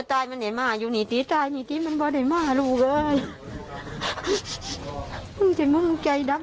ให้กำไหนลูกชายได้ไหม